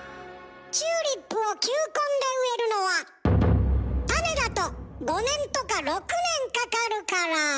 チューリップを球根で植えるのは種だと５年とか６年かかるから。